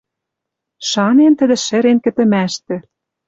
Шанен тӹдӹ шӹрен кӹтӹмӓштӹ: